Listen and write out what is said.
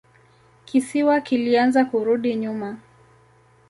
Kisiwa kilianza kurudi nyuma.